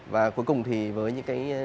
và cuối cùng thì với những cái